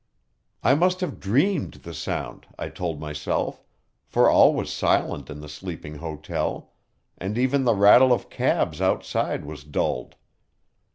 I must have dreamed the sound, I told myself, for all was silent in the sleeping hotel, and even the rattle of cabs outside was dulled.